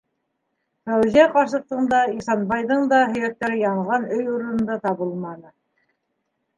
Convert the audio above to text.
Фәүзиә ҡарсыҡтың да, Ихсанбайҙың да һөйәктәре янған өй урынында табылманы.